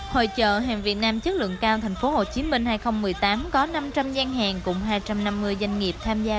hội trợ hàng việt nam chất lượng cao tp hcm hai nghìn một mươi tám có năm trăm linh gian hàng cùng hai trăm năm mươi doanh nghiệp tham gia